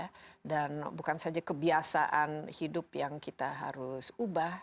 tidak hanya kebiasaan hidup yang kita harus ubah